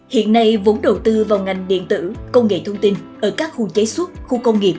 hiện nay vốn đầu tư vào ngành điện tử công nghệ thông tin ở các khu chế xuất khu công nghiệp